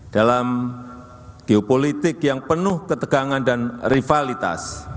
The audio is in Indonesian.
dalam geopolitik yang penuh ketegangan dan rivalitas